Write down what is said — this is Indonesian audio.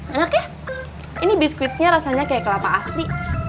enak ya ini biskuitnya rasanya kayak kelapa asli